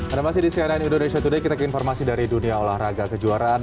anda masih di cnn indonesia today kita ke informasi dari dunia olahraga kejuaraan